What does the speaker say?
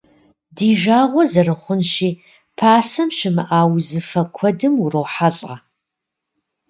Ди жагъуэ зэрыхъунщи, пасэм щымыӏа узыфэ куэдым урохьэлӏэ.